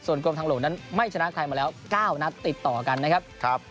กรมทางหลวงนั้นไม่ชนะใครมาแล้ว๙นัดติดต่อกันนะครับ